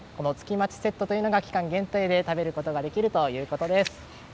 待ちセットが期間限定で食べることができるということです。